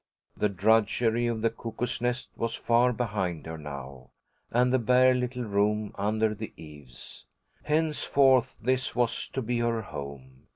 The drudgery of the Cuckoo's Nest was far behind her now, and the bare little room under the eaves. Henceforth this was to be her home.